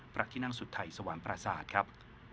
พระที่นั่งสุดไทยสวรรค์ประสาทครับ